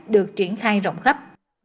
được triển khai rộng khắp